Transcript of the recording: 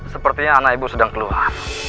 sepertinya anak ibu sedang keluar